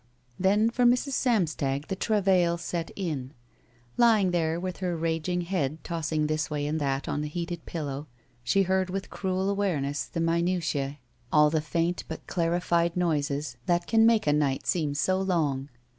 Then for Mrs. Samstag the travail set in. Lying there with her raging head tossing this way and that on the heated pillow, she heard with cruel aware ness the minutae, all the faint but clarified noises 31 "1 SHE WALKS IN BEAUTY that can make a night seem so long.